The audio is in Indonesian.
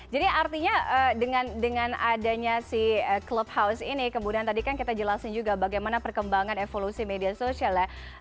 jadi artinya dengan adanya si clubhouse ini kemudian tadi kan kita jelasin juga bagaimana perkembangan evolusi media sosial ya